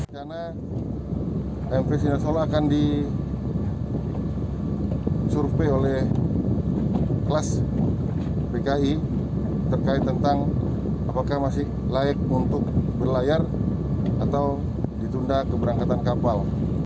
karena mv sinar solo akan disurvei oleh kelas bki terkait tentang apakah masih layak untuk berlayar atau ditunda keberangkatan kapal